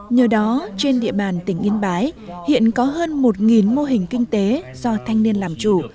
nhờ đó trên địa bàn tỉnh yên bái hiện có hơn một mô hình kinh tế do thanh niên làm chủ